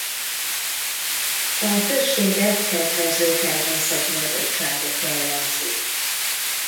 A községet kedvező természeti adottságok jellemzik.